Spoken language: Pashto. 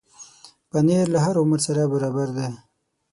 پنېر له هر عمر سره برابر دی.